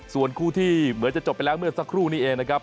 ส่วนคู่ที่เหมือนจะจบไปแล้วเมื่อสักครู่นี้เองนะครับ